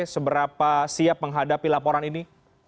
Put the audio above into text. seberapa siap menghadapi laporan ini